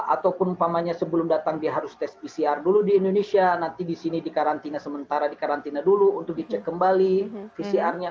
ataupun umpamanya sebelum datang dia harus tes pcr dulu di indonesia nanti di sini di karantina sementara di karantina dulu untuk dicek kembali pcr nya